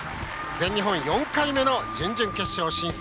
全日本４回目の準々決勝進出。